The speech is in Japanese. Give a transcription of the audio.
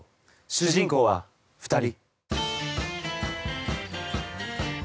主人公は２人。